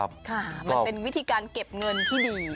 มันเป็นวิธีการเก็บเงินที่ดี